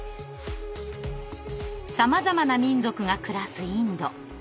さまざまな民族が暮らすインド。